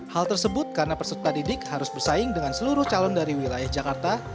hal tersebut karena peserta didik harus bersaing dengan seluruh calon dari wilayah jakarta